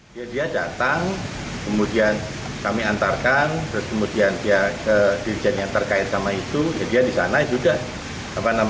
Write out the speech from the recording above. dia datang kemudian kami antarkan kemudian dia ke dirjen yang terkait sama itu dia disana itu udah